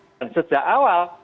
dan sejak awal